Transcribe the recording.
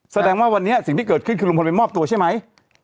แสดงว่าวันนี้สิ่งที่เกิดขึ้นคือลุงพลไปมอบตัวใช่ไหม